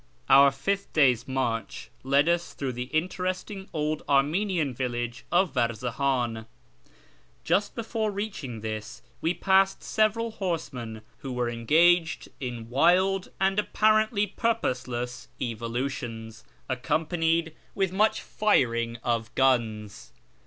Our fifth day's march led us through the interesting old Armenian village of Varzahan. Just before reaching this we passed several horsemen, who were engaged in wild and appa rently purposeless evolutions, accompanied with much firing of FROM ENGLAND TO THE PERSIAN FRONTIER 29 guns.